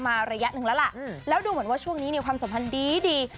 ระยะหนึ่งแล้วล่ะแล้วดูเหมือนว่าช่วงนี้เนี่ยความสัมพันธ์ดีดี